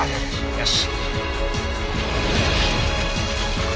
よし！